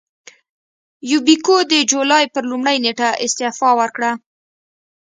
یوبیکو د جولای پر لومړۍ نېټه استعفا وکړه.